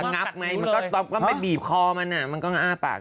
ก็นับมันก็มันก็ไม่บีบมันก็เป็นอ้ากปาก